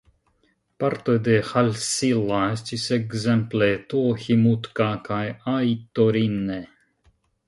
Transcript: Partoj de Halssila estas ekzemple Tuohimutka kaj Aittorinne.